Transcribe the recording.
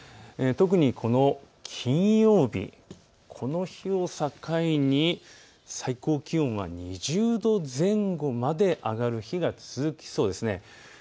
特に金曜日、この日を境に最高気温は２０度前後まで上がる日が続きそうです。